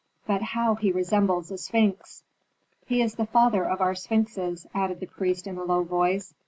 "But how he resembles a sphinx." "He is the father of our sphinxes," added the priest in a low voice.